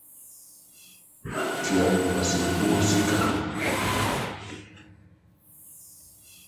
tua nkwasiabuo sika